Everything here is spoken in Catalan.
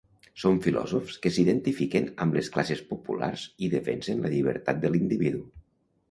Són filòsofs que s'identifiquen amb les classes populars i defensen la llibertat de l'individu.